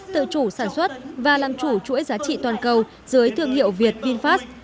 tự chủ sản xuất và làm chủ chuỗi giá trị toàn cầu dưới thương hiệu việt vinfast